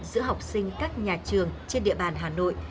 giữa học sinh các nhà trường trên địa bàn hà nội